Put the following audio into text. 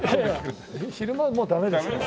昼間もうダメですから。